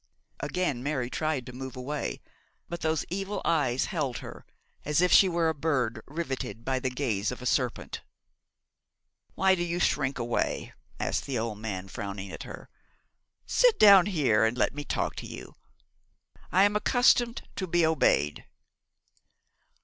Again Mary tried to move away, but those evil eyes held her as if she were a bird riveted by the gaze of a serpent. 'Why do you shrink away?' asked the old man, frowning at her. 'Sit down here, and let me talk to you. I am accustomed to be obeyed.'